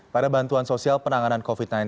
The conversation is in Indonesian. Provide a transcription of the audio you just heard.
pada bantuan sosial penanganan covid sembilan belas